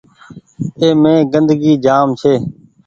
اي مين گندگي جآم ڇي۔